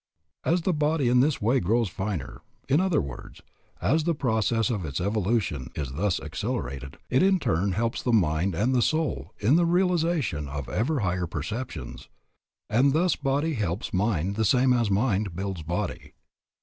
As the body in this way grows finer, in other words, as the process of its evolution is thus accelerated, it in turn helps the mind and the soul in the realization of ever higher perceptions, and thus body helps mind the same as mind builds body.